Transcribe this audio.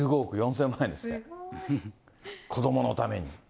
すごい。子どものために。